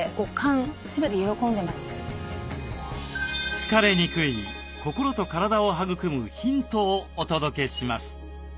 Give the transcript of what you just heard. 疲れにくい心と体を育むヒントをお届けします。